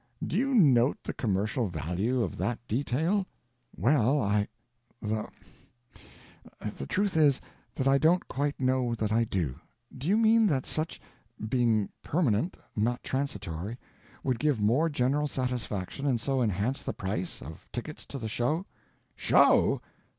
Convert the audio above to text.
Do you note the commercial value of that detail?" "Well, I—the—the truth is, that I don't quite know that I do. Do you mean that such, being permanent, not transitory, would give more general satisfaction, and so enhance the price—of tickets to the show—" "Show?